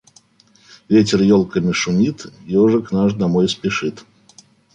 Ветер елками шумит, ежик наш домой спешит.